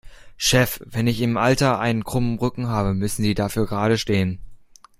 Chef, wenn ich im Alter einen krummen Rücken habe, müssen Sie dafür geradestehen.